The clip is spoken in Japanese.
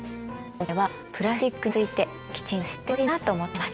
今回はプラスチックについてきちんと知ってほしいなと思ってます。